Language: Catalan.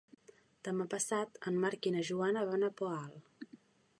Demà passat en Marc i na Joana van al Poal.